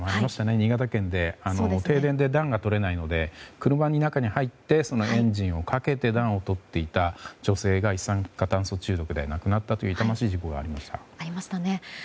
新潟県で停電で暖がとれないので車の中に入ってエンジンをかけて暖をとっていた女性が一酸化炭素中毒で亡くなったという痛ましい事故がありました。